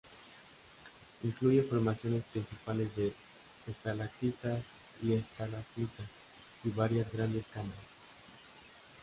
Incluye formaciones principales de estalactitas y estalagmitas, y varias grandes cámaras.